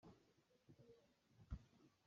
Cawek hi dawm ṭha bik a si.